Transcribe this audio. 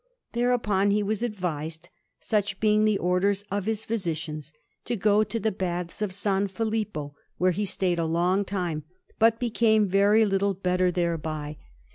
Thereupon he was advised such being the orders of his physicians to go to the baths of San Filippo; where he stayed a long time, but became very little better thereby.